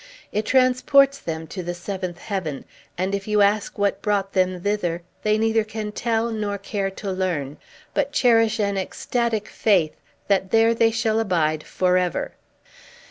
It transports them to the seventh heaven; and if you ask what brought them thither, they neither can tell nor care to learn, but cherish an ecstatic faith that there they shall abide forever.